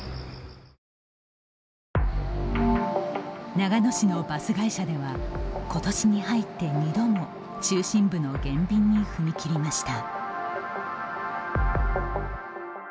長野市のバス会社ではことしに入って２度も中心部の減便に踏み切りました。